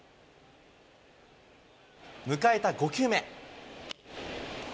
迎えた５球目。